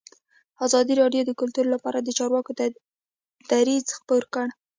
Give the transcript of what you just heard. ازادي راډیو د کلتور لپاره د چارواکو دریځ خپور کړی.